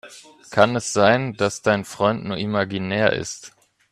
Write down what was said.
Kann es sein, dass dein Freund nur imaginär ist?